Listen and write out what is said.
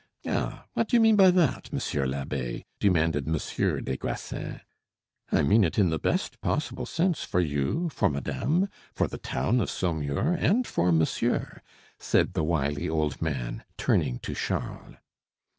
"Ah! what do you mean by that, monsieur l'abbe?" demanded Monsieur des Grassins. "I mean it in the best possible sense for you, for madame, for the town of Saumur, and for monsieur," said the wily old man, turning to Charles.